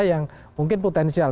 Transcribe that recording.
yang mungkin potensial